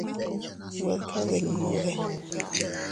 Güed kadinnudi.